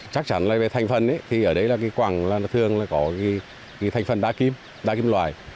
chắc chắn là về thành phần thì ở đây là cái quẳng thường có cái thành phần đa kim đa kim loài